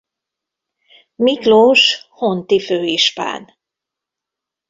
Miklós honti főispán.